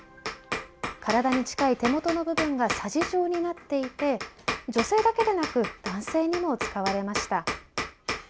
体に近い手元の部分がさじ状になっていて女性だけでなく男性にも使われました。